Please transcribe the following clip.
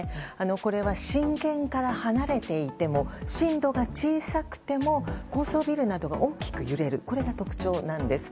これは震源から離れていても震度が小さくても高層ビルが大きく揺れるのが特徴なんです。